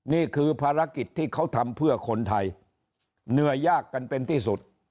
นี่คือภารกิจที่เขาทำเพื่อคนไทยเหนื่อยยากกันเป็นที่สุด